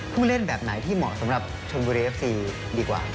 ผู้เล่นแบบไหนที่เหมาะสำหรับชนบุรีเอฟซีดีกว่า